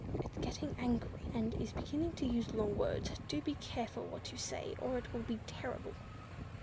"It's getting angry, and is beginning to use long words; do be careful what you say or it will be terrible!"